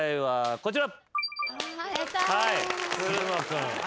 こちら。